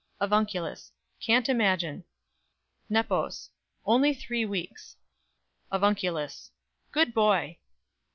"AVUNCULUS. Can't imagine. "NEPOS. Only three weeks. "AVUNCULUS. Good boy!"